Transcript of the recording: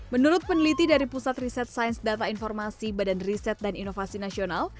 menurut peneliti dari pusat riset sains data informasi badan riset dan inovasi nasional